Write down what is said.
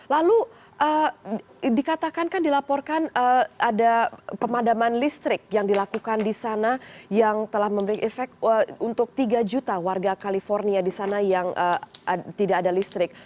lalu dikatakan kan dilaporkan ada pemadaman listrik yang dilakukan di sana yang telah memberikan efek untuk tiga juta warga california di sana yang tidak ada listrik